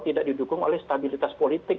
tidak didukung oleh stabilitas politik